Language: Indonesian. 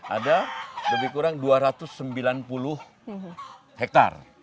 ada lebih kurang dua ratus sembilan puluh hektare